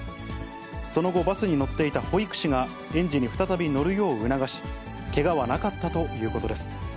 その後、バスに乗っていた保育士が、園児に再び乗るよう促し、けがはなかったということです。